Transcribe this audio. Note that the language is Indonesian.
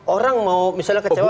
orang mau misalnya kecewa putus apa